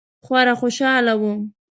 خورا خوشحاله وه.